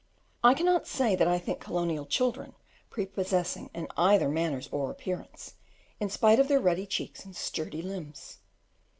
I cannot say that I think colonial children prepossessing in either manners or appearance, in spite of their ruddy cheeks and sturdy limbs.